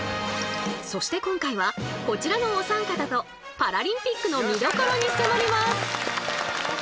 そして今回はこちらのお三方とパラリンピックの見どころに迫ります！